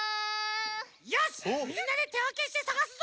よしみんなでてわけしてさがすぞ！